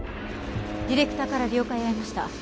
ディレクターから了解を得ました。